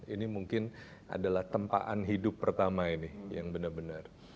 ini mungkin adalah tempaan hidup pertama ini yang benar benar